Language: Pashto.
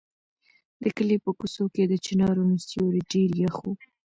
د کلي په کوڅو کې د چنارونو سیوري ډېر یخ وو.